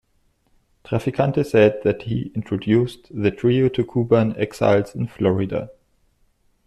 Trafficante said that he introduced the trio to Cuban exiles in Florida.